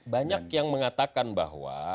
banyak yang mengatakan bahwa